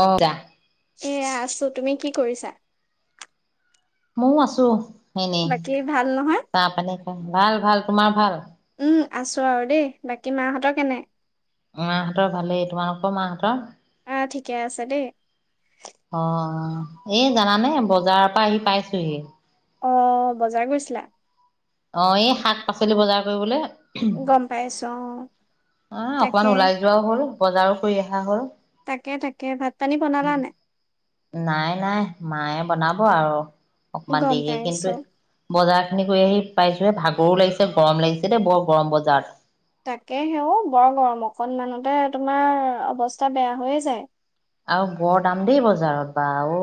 অ' যা। এয়া আছো তুমি কি কৰিছা? ময়ো আছো। এনে। বাকী ভাল নহয় চাহ-পানী খাই, ভাল ভাল। তোমাৰ ভাল? উম আছো আৰু দেই। বাকী মাহঁতৰ কেনে? মাহঁতৰ ভালেই, তোমালোকৰ মাহঁতৰ? আহ ঠিকে আছে দেই। অ', এই জানানে বজাৰৰ পৰা আহি পাইছোহি। অ' বজাৰ গৈছিলা? অ' এই শাক-পাচলি বজাৰ কৰিবলৈ। গম পাইছো অ' তাকে অকমান ওলাই যোৱাও হ'ল। বজাৰো কৰি অহা হ'ল। তাকে তাকে, ভাত-পানী বনালা নে? নাই নাই। মায়ে বনাব আৰু। অকমান গম দেৰিকে পাইছো কিন্তু, বজাৰ। কৰি আহি পাইছোহে। ভাগৰো লাগিছে, গৰম লাগিছে দেই। বৰ গৰম বজাৰত। তাকে হে অ'। বৰ গৰম অকনমানতে তোমাৰ অৱস্থা বেয়া হৈয়ে যায়। আৰু বৰ দাম দেই বজাৰত বা! অ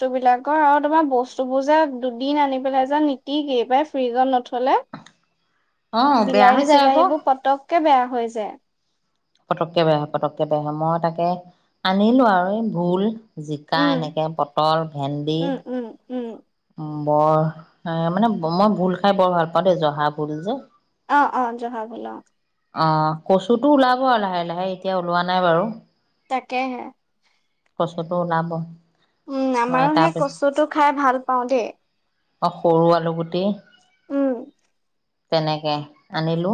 বস্তুবিলাকৰ আৰু তোমাৰ বস্তুবোৰ যে দুদিন আনি পেলাই যে নিটিকেই পাই ফ্ৰিজত নথ'লে! অ বেয়া হৈ যায় আকৌ বিলাহী-চিলাহীবোৰ পতককে বেয়া। হৈ যায়। পতককে বেয়া হয়, পতককে বেয়া হয়। মই তাকে আনিলো আৰু এই ভুল জিকা উম এনেকৈ, পটল, ভেন্দি উম উম উম বৰ, এ মানে মই ভুল খাই বৰ ভাল পাওঁ দেই। জহাভুল যে। অ', অ' জহাভুল অ'। অ' কচুটো ওলাব আৰু লাহে লাহে, এতিয়া ওলোৱা নাই বাৰু। তাকেহে। কচুটো ওলাব। উম আমাৰো সেই তাৰপিছত কচুটো খাই ভাল পাওঁ দেই। অ' সৰুআলু গুটি উম। তেনেকে, আনিলো।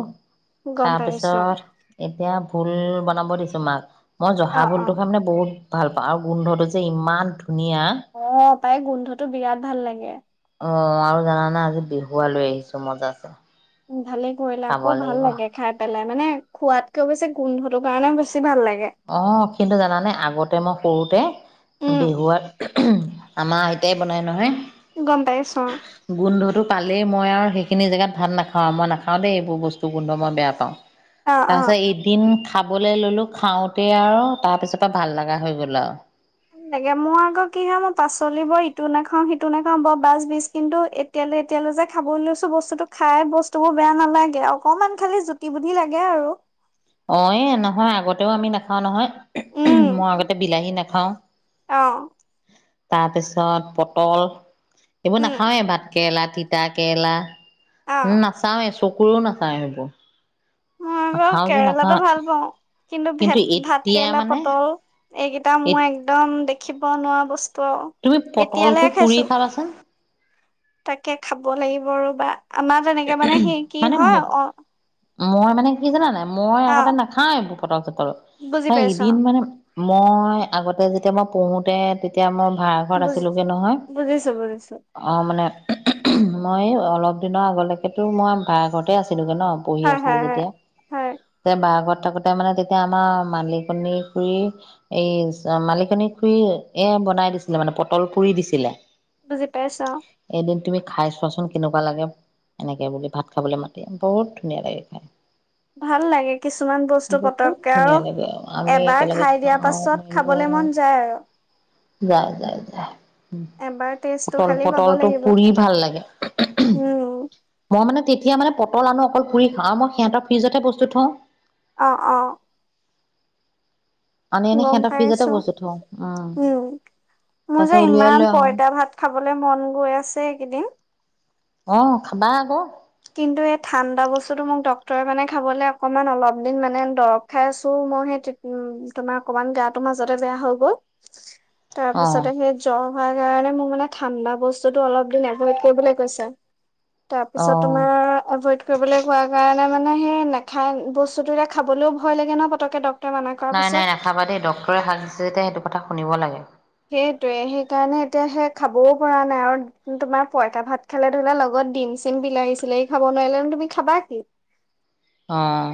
গম পাইছো তাৰপিছত, এতিয়া ফুল বনাব দিছো মাক। মই অ জহা অ ভুলটো খাৰ মানে বহুত। ভাল পাওঁ আৰু গোন্ধটো যে ইমান। পনীয়া। পায় গোন্ধটো বিৰাট ভাল লাগে অ আৰু জানানে আজি বিহুৱা লৈ আহিছো মজা আছে। ভালেই কৰিলে আকৌ ভাল লাগে খাই পেলাই। মানে খোৱাতকে বেছি গোন্ধটোৰ কাৰণে বেছি ভাল লাগে। অ কিন্তু জানানে আগতে মই। সৰুতে উম বিহুৱাত আমাৰ আইতাই বনায় নহয়। গম পাইছো গোন্ধটো পালেই। মই আৰু সেইখিনি জেগাত ভাত নাখাও আৰু মই নাখাও দেই এইবোৰ বস্তু গোন্ধ মই বেয়া পাওঁ। অ তাৰ অ পাছত এদিন। খাবলৈ ল'লোঁ খাওঁ। তে আৰু তাৰ পিছত পৰা ভাল লগা হৈ গ'ল আৰু। ভাল লাগে মোৰ আকৌ কি হয়ে মই পাচলি বৰ ইটো নাখাওঁ। সিটো নাখাও বৰ বাছ বিজ কিন্তু এতিয়ালৈ এতিয়ালৈ যে খাব লৈছো। বস্তুটো খাই বস্তু বোৰ বেয়া নালাগে অকনমান খালি জুতি বুদ্ধি লাগে আৰু। অ এ নহয় আগতেও আমি নাখাও নহয়। মই আগতে বিলাহী নেখাওঁ। হ ও। অহ। তাৰপিছত পটল। এইবোৰ উম নাখাওৱে ভাত কেৰেলাত। তিতা কেৰেলা। অ উম নাচাওঁৱে। ফুলো নেখাওঁ এইবোৰ। মই বাৰু কেৰেলাতটো ভাল পাওঁ কিন্তু ভেত ভাত এতিয়া কেৰেলা মানে পটল এইকেইটা এ মই একদম। কিবা নোৱাৰা বস্তু। তুমি ত পটলটো এতিয়ালহে পুৰি খাইছো খাবাচোন তাকে খাব লাগিব ৰ বা। আমাৰ তেনেকে মানে সি কি মানে ম হয় অহঁ। মই মানে কি জানা নাই। মই আগতে নাখাও এইবোৰ পটল চাল বুজি মই পাইছো অ এদিন মানে। মই আগতে যেতিয়া মই পঢ়োতে তেতিয়া মই। ভা়ঘৰত বুজি আছিলোগৈ নহয় বুজিছো বুজিছো অঁ মানে। মই অলপ দিনৰ আগলৈ। সেইটো মই বাই ঘৰতে আছো। আমি নহ পঢ়ি হয় আছিলো হয় হয় যেতিয়া হয় তেতিয়া বা ঘৰত থাাকোতে মানে তেতিয়া আমাৰ মালিকনী খুুৰী এই মালিকনী খুুৰী এ বনাই দিছিলে মানে পটল পুৰি দিছিলে বুজি পাইছা এদিন তুমি খাই চোৱাচোন কেনেকুৱা লাগে এনেকে বুলি ভাত খাবলৈ মাতি বহুত ধুনীয়া লাগে খাই ভাল লাগে কিছুমান বস্তু বহুত পতককে আৰু ধুনীয়া লাগে আমি এবাৰ একেলগে খাই দিয়াৰ খাওঁ পাছত মেলো খাবলে মন যায় আৰু যায় যায় যায় এবাৰ টেষ্টটো পটল খালি পাব পটলটো লাগিব পুৰি ভাল লাগে উম মই মানে তেতিয়া মানে পটল আনো অকল পুৰি খা আৰু মই সিহঁতৰ ফ্ৰিজতে বস্তু থওঁ অঁ অঁ আনি আনি গম সিহঁতৰ ফ্ৰিজতে পাইছো বস্তু থওঁ উম তাৰ মোৰ যে পিছত উলিয়াই ইমান লৈ আহো পইতা ভাত খাবলে মন গৈ আছে এইকেইদিন অঁহ খাবা আকৌ কিন্তু এই ঠাণ্ডা বস্তুটো মোক ডক্তৰে মানে খাবলৈ অকমান অলপ দিন মানে দৰব খাই আছো মই সেই তোমাৰ অকমান গা তো মাজতে বেয়া হৈ গ'ল তাৰ অ পিছত সেই জ্বৰ হয় কাৰণে মোৰ মানে ঠাণ্ডা বস্তুটো অলপ দিন এভইড কৰিবলৈ কৈছে তাৰপিছত অ', তোমাৰ এভইড কৰিবলৈ কোৱা কাৰণে মানে সে নেখাই বস্তুটোৰে খাবলৈ ভয় লাগে ন পটককে ডক নাই নাই নাখাবা দেই ডক্তৰে শাকছে যেতিয়া সেইটো কথা শুনিব লাগে সেইটোয়ে সেই কাৰণে এতিয়া সে খাবও পৰা নাই আৰু তোমাৰ পইতা ভাত খালে ধৰিলোৱা লগত ডিম চিম বিলাহী চিলাহী খাব নোৱাৰিলে তুমি খাবা কি অঁ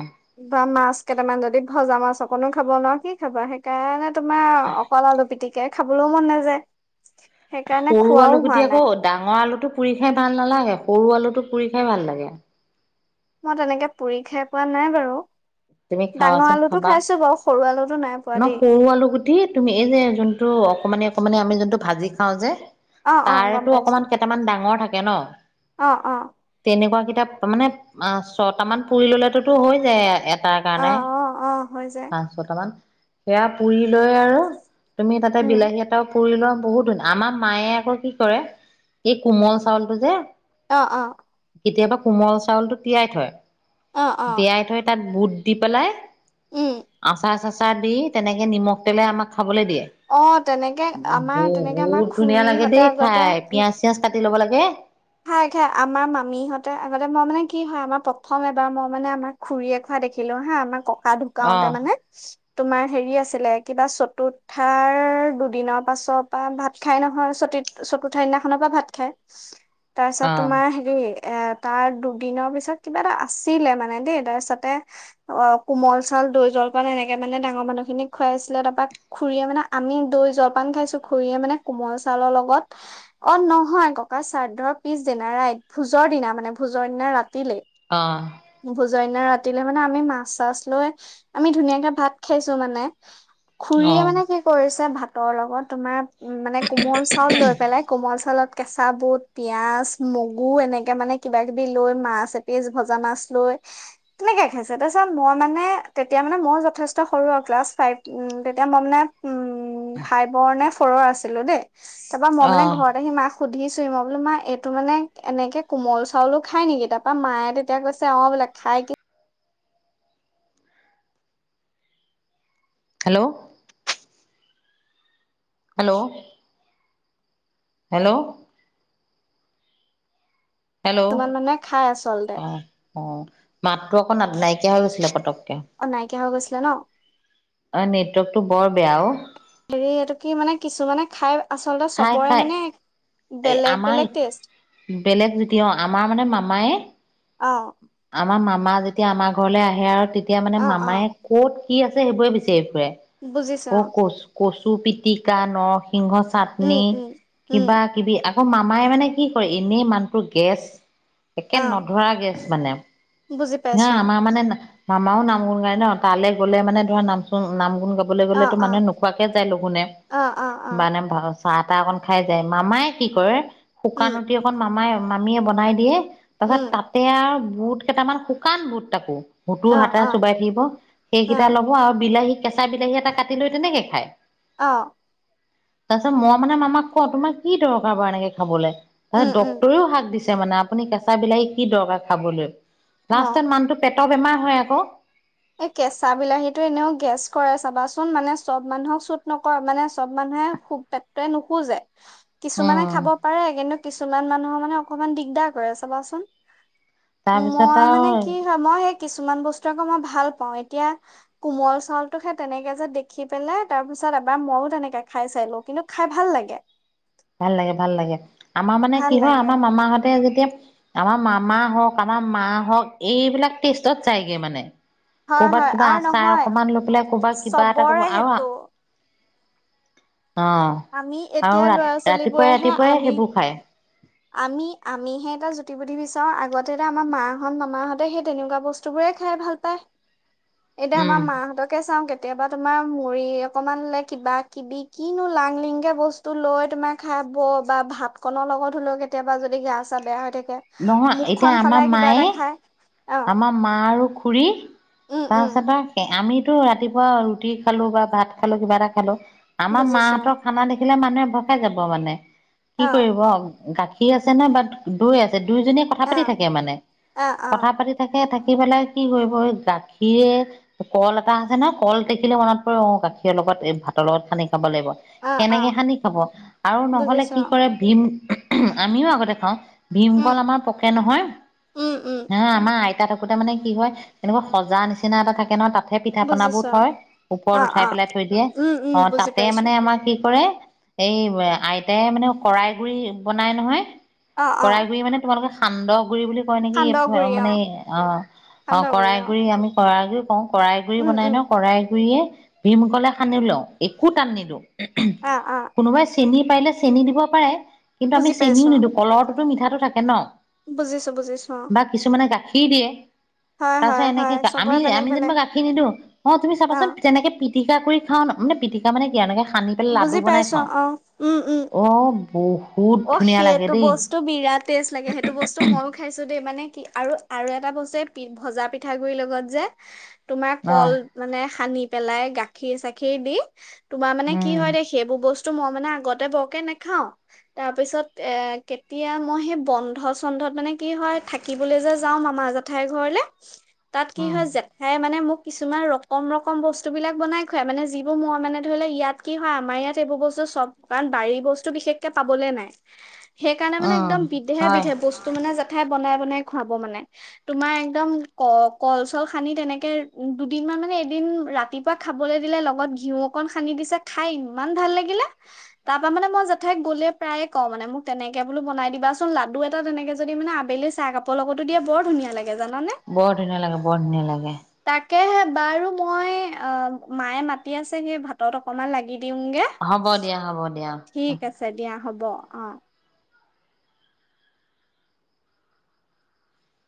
বা মাছ কেইটামান যদি ভজা মাছ আৰু অকনো খাব নোৱাৰা কি খাবা সেইকাৰণে তোমাৰ অকল আলু পিটিকা খাবলৈও মন নাযায় সেইকাৰণে সৰু খোৱাও আলু হোৱা গুটি আকৌ নাই ডাঙৰ আলুটো পুৰি খাই ভাল নালাগে সৰু আলুটো পুৰি খাই ভাল লাগে মই তেনেকে পুৰি খাই পোৱা নাই বাৰু তুমি ডাঙৰ খাবাচোন আলুটো খাবা খাইছো বাৰু সৰু আলুটো নাই পোৱা ন দেই সৰু আলু গুটি তুমি এই যে যোনটো অকমানি অকমানি আমি যোনটো ভাজি খাওঁ যে অ অ গম তাৰেতো পাইছো অকমান কেইটামান ডাঙৰ থাকে ন অ অ তেনেকুৱা কেই এ মানে অ ছটা মান পুৰি ললেটোতো হয় যে তাৰ অ কাৰণে অ অ হৈ যায় পাঁচ ছয় টা মান সেয়া পুৰি লৈ আৰু তুমি তাতে উম বিলাহী এটা পুৰি লোৱা বহুত ধুনীয়া আমাৰ মায়ে আকৌ কি কৰে এই কোমল চাউলটো যে অ অ কেতিয়াবা কোমল চাউলটো তিয়াই থয় অ অ তিয়াই থৈ তাত বুত দি পেলাই উম আচাৰ চাচাৰ দি তেনেকে নিমখ তেলে আমাক খাবলৈ দিয়ে অ তেনেকে আমাৰ তেনেকে আমাৰ বহুত ধুনীয়া লাগে দেই খুৰীহঁতে আগতে খাই পিয়াজ চিয়াজ কাটি ল'ব লাগে খাই খাই আমাৰ মামীহঁতে আগতে মই মানে কি হয় আমাৰ প্ৰথম এবাৰ মই মানে আমাৰ খুৰীয়ে খোৱা দেখিলো হা আমাৰ ক ককা অ ঢুকাওতে মানে তোমাৰ হেৰি আছিলে কিবা চতুৰ্থাৰ দুদিনৰ পাছৰ পৰা ভাত খাই নহয় চত চতুৰ্থা দিনাখনৰ পৰা ভাত খায় তাৰ অ পিছত তোমাৰ হেৰি এ তাৰ দুদিনৰ পিছত কিবা এটা আছিলে মানে দেই তাৰপিছতে অ কোমল চাউল দৈ জলপান এনেকে মানে ডাঙৰ মানুহ খিনিক খুৱাইছিলে তাৰপৰা খুৰীয়ে মানে আমি দৈ জলপান খাইছো খুৰীয়ে মানে কোমল চাউল লগত অ নহয় ককা শ্ৰাদ্ধৰ পিছদিনা ৰাইত ভোজৰ দিনা মানে ভোজৰ দিনা ৰাতি [unintelligible] জৰ দিনা ৰাতিলৈ মানে আমি মাছ চাছ লৈ আমি ধুনীয়াকে ভাত খাইছো মানে অ খুৰীয়ে মানে কি অ কৰিছে ভাত তৰ লগত তোমাৰ উম মানে কোমল চাউল লৈ পেলাই কোমল চাউলত কেঁচা বুট পিয়াজ মগু এনেকে মানে কিবা কিবি লৈ মাছ এপিচ ভজা মাছ লৈ তেনেকে খাইছে তাৰ পিছত মই মানে তেতিয়া মানে মই যথেষ্ট সৰু আৰু ক্লাছ ফাইভ উ তেতিয়া মই মানে উম খাই বৰ নে সৰু আছিলোঁ দেই তাৰ পৰাা মই অ মানে ঘৰত আহি মাক সুধিছো মই বোলো মা এইটো মানে এনেকে কোমল চাউলো খাই নেকি তাৰাপৰা মায়ে তেতিয়া কৈছে অ বোলে খাই কি হেল্ল' হেল্ল' হেল্ল' হেল্ল' অ কিছুমান মানুহে খাই আচলতে অ মাতটো আকৌ নাদনাই নাইকিয়া হৈছিলে পটক অ' নাই। কিয় হৈ গৈছিলে ন। অ' নেটৱৰ্ক টো বৰ বেয়াও। হেৰি, এইটো কি মানে কিছুমানে খাই আচলতে চবৰে মানে এ বেলেগ আমাৰ বেলেগ টেষ্ট বেলেগ যেতিয়া, অ' আমাৰ মানে মামায় অ আমাৰ মামা আমাৰ যেতিয়া, আমাৰ ঘৰলৈ আহে আৰু তেতিয়া মানে অ অ মামায় ক'ত কি আছে সেইবোৰে বিচাৰিম। বুজিছো ক অ কচ-কচ, তু পিটিকা নখ সিংহ উম চাটনি উম উম কিবা কিবি আকৌ মামাই মানে কি কৰে, এনেই মানুহটো গেছ একে অ নধৰা গেছ মানে বুজি নাই পাইছো আমাৰ মানে মামাও নাম গুণ গায় ন তালৈ গ'লে মানে ধৰা নাম চু নাম গুণ গ অ গলেতো অ মানে নোকোৱাকে যায়। লগুনে অ অ অ অ মানে ভাল চাহ তাহ অকন খাই যায় মামাই কি কৰে? উম, শুকান উটি এখন মামাই মামীয়ে বনাই দিয়ে,। তাৰ পাছত উম, তাতে আও বুট কেইটামান শুকান বুট তাকো হুতুৰ অ', হাতা অ', চোবাই থাকিব, সেইকেইটা অ', লব আৰু বিলাহী কেঁচা বিলাহী এটা কাটি লৈ তেনেকে খায়। অ', তাৰপিছত মই মানে মামাক কও তোমাৰ কি দৰকাৰ বাৰু এনেকে খাবলে। ত উম, উম, ডক্তৰেও হাক দিছে। মানে আপুনি কেঁচা বিলাহী কি দৰকাৰ খাবলৈ। লাষ্ট অ'। মানুটো পেত ত বেমাৰ হয় আকৌ। এই কেঁচা বিলাহীতটো এনেও গেছ কৰে, চাবাচোন মানে চব মানুহক চুট নকৰ মানে চব মানুহে খুব পেটটোৱে নুখোজে। কিছুমানে উম খাব পাৰে কিন্তু। কিছুমান মানুহৰ মানে অকমান দিগদাৰ কৰে চাবাচোন। তাৰপিছত মই আৰু মানে কি হয় মই সেই কিছুমান বস্তু আকৌ ভা। ভাল পাওঁ। এতিয়া কোমল চাউলটো যে দেখি পেলাই তাৰ পিছত এবাৰ মইও তেনেকে খাই চাই লো কিন্তু খাই ভাল লাগে। ভাল লাগে ভাল লাগে। আমাৰ মানে ভাল কি হয় লাগে আমাৰ মামাহঁতে যেতিয়া। আমাৰ মামা হওক আমাৰ মা হওক এইবিলাক টেষ্টত যাইগে মানে। হয়, কৰবাত হয় কিবা আৰু আচাৰ নহয় অকমান লৈ পেলাই কৰবাত কিবা এটা চবৰে ক আৰু। সেইটো অ'হ আৰু ৰাতি ছোৱালী বোৰেহে আমি আমি আমিহে এটা। বিচাৰো আগতে আমাৰ মাহঁত মামাহঁতে সেই তেনেকুৱা বস্তু বোৰে খাই ভাল পায় এতিয়া আমাৰ উম মাহঁতকে চাওঁ কে কেতিয়াবা তোমাৰ মুৰি অকমানলে কিবা কিবি কিনো লাংলিংকে বস্তু লৈ তোমাৰ খাব বা ভাত কনৰ লগত হ'লেও কেতিয়াবা যদি গা চা বেয়া হৈ থাক নহয় এতিয়া আমাৰ মায়ে অ আমাৰ মা আৰু খুৰী উম উম তাৰপিছত বা আমি টো ৰাতিপুৱা ৰুটি খালো বা ভাত খালো কিবা এটা খালো আমাৰ বুজিছো মাহঁতৰ খানা দেখি দেখিলে মানুহে ভয় খাই যাব মানে কি অ কৰিব গাখীৰ কী আছে নে বাট দৈ আছে দুইজনীয়ে কথা অ পাতি থাকে মানে অ অ কথা পাতি থাকে থাকি পেলাই কি কৰিব এই গাখীৰে কল এটা আছে নহ কল দেখিলে মনত পৰিৰে অ গাখীৰৰ লগত খালে ভাতৰ লগত খালে কি খাব লাগিব অ অ সেনেকে সানি খাব আৰু নহ'লে বুজিছো কি কৰে ভীম আমিও আগতে খাওঁ উম ভীমকল আমাৰ পকে নহয় উম উম না আমাৰ তিতা থাকোতে মানে কি হয় এনেকুৱা সজা নিচিনা এটা থাকে ন তাত ত পিঠা পনাবোৰ বুজিছো থয় অ ওপৰত অ উঠাই পেলাই থৈ দিয়ে উম উম অ বুজি তাতে পাইছো মানে আমাৰ কি কৰে এই আইতাইে মানে শৰাই গুৰি বনাই নহয় অ অ কৰাই গুৰি মানে তোমালোকক সান্দ বুলি কয় নেকি সান্দহগুৰি অ মানে অ অ কৰাইগুৰি আমি কৰাই পওঁ কৰাই গুৰি উম বনাই উম ন কৰাই গুৰিয়ে ভীমকলে সানি লও একো তাত‌ নিদো অ অ কোনোবাই চেনি পাৰিলে চেনি দিব পাৰে কিন্তু আমি বুজি চেনিও পাইছো অ নিদিওঁ কলৰ অলপ মিঠাটো থাকে ন বুজিছো বুজিছো অ কি দিয়ে হয় হয় তাৰপিছত এনেকে হয় আমি চবৰে বেলেগ আমি যেনিবা বেলেগ গাখীৰ নিদো অ তুমি চাবাচোন তেনেকে পি পিটিক কৰি খাওঁ মানে পিটিকা মানে কি আৰু এনেকে সানি পেলাই লাডু বুজি বনাই পাইছো খাওঁ অ উম উম অ হু বহুত অ ধুনীয়া লাগে সেইটো দেই। বস্তু বিৰাট টেষ্ট লাগে সেইটো বস্তু মইয়ো খাইছোঁ দেই মানে। কি আৰু আৰু এটা বস্তু ভজা পিঠাগুৰিৰ লগত যে। তোমাৰ অ কল মানে। সানি পেলাই গাখীৰ চাখীৰ দি। তোমাৰ মানে কি উম হয় দে সেইবোৰ বস্তু। মই মানে আগতে বৰকে নাখাওঁ। তাৰ পিছত এ কেতিয়া মই সেই বন্ধ চন্ধত মানে কি হয়। থাকিবলৈ যে যাও মামা জেঠাইৰ ঘৰলে। তাত কি উম হয় জেঠাই মানে মোক। কিছুমান ৰকম ৰকম বস্তুবিলাক বনাই খুৱাই। মানে যিবোৰ মই মানে ধৰি লও ইয়াত কি হয়। আমাৰ ইয়াত এইবোৰ বস্তু চব কাৰণ বাৰী বস্তু বিশেষকে। পাবলে নাই। সেইকাৰণে মানে উম একদম বিধে হয় বিধে বস্তু মানে। জেঠাই বনাই বনাই খুৱাব মানে। তুমাৰ একদম ক কল চল সানি তেনেকে উ দুদিন মান মানে এদিন ৰাতিপুৱা খাবলৈ দিলে লগত ঘিউ অকন সানি দিছে খাই ইমান ভাল লাগিলে। তাৰ পৰাা মানে মই জেঠাইক গ'লে। প্ৰায়ে কওঁ মানে মোক তেনেকে বোলো। বনাই দিবাচোন লাডু এটা তেনেকে যদি মানে আবেলি চাহ কাপৰ লগতো দিয়ে বৰ ধুনীয়া লাগে। জানানে। বৰ ধুনীয়া লাগে বৰ ধুনীয়া লাগে। কেহে বাৰু মই অ মায়ে মাতি আছে। সি ভাতত অকমান লাগি। দিওঁগে হ'ব দিয়া হ'ব দিয়া। ঠিক আছে দিয়া হ'ব অ।